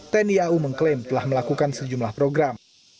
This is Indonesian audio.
tni au mengklaim telah melakukan sejumlah program